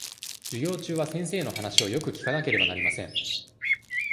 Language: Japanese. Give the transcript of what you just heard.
授業中は先生の話をよく聞かなければなりません。